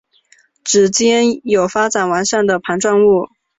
趾尖有发展完善的盘状物。